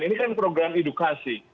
ini kan program edukasi